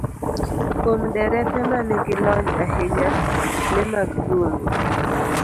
Kuom derepe ma nigi lony ahinya, le mag bungu